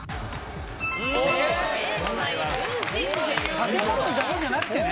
建物だけじゃなくてね